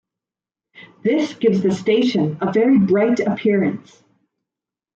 This gives the station a very bright appearance.